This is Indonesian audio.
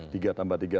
tiga tambah tiga